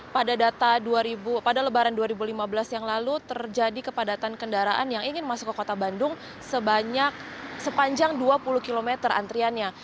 pada data pada lebaran dua ribu lima belas yang lalu terjadi kepadatan kendaraan yang ingin masuk ke kota bandung sepanjang dua puluh km antriannya